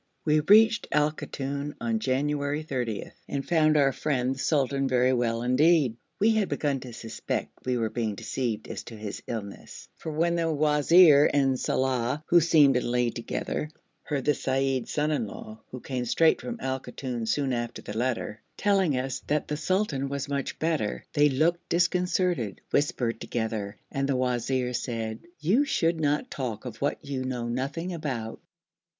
We reached Al Koton on January 30, and found our friend the sultan very well indeed. We had begun to suspect we were being deceived as to his illness, for when the wazir and Saleh, who seemed in league together, heard the seyyid son in law, who came straight from Al Koton soon after the letter, telling us that the sultan was much better, they looked disconcerted, whispered together, and the wazir said, 'You should not talk of what you know nothing about.'